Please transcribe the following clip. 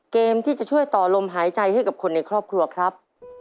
เกมที่จะช่วยต่อลมหายใจให้กับคนในครอบครัวครับ